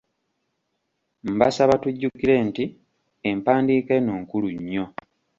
Mbasaba tujjukire nti empandiika eno nkulu nnyo.